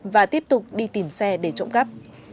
và tiếp tục đi tìm xe để trộm cắp